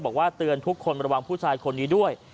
เตือนทุกคนระวังผู้ชายคนนี้ด้วย